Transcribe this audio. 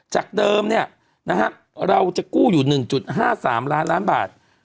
จากเดิมเนี่ยนะฮะเราจะกู้อยู่๑๕๓ล้านล้านบาท